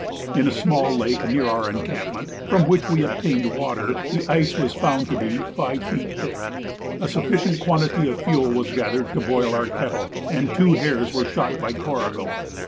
In a small lake near our encampment, from which we obtained water, the ice was found to be five feet thick. A sufficient quantity of fuel was gathered to boil our kettle, and two hares were shot by Corrigal.